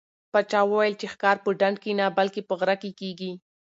پاچا وویل چې ښکار په ډنډ کې نه بلکې په غره کې کېږي.